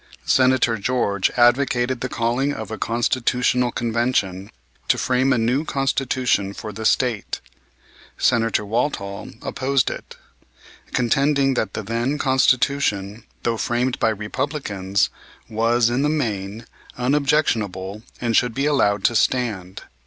Senator George advocated the calling of a Constitutional Convention, to frame a new Constitution for the State. Senator Walthall opposed it, contending that the then Constitution, though framed by Republicans, was, in the main, unobjectionable and should be allowed to stand.